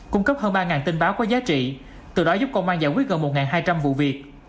cung cấp hơn ba tin báo có giá trị từ đó giúp công an giải quyết gần một hai trăm linh vụ việc